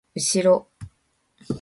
うしろ！